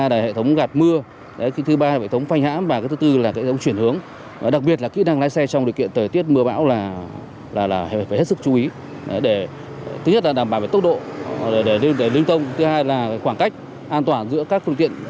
để đảm bảo tốc độ để linh thông khoảng cách an toàn giữa các phương tiện